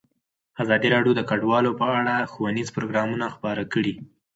ازادي راډیو د کډوال په اړه ښوونیز پروګرامونه خپاره کړي.